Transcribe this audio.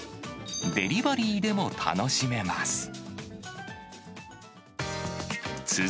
デリバリーでも楽しめます。